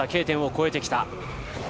Ｋ点を越えてきた。